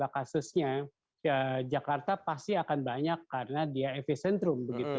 dua kasusnya jakarta pasti akan banyak karena dia epicentrum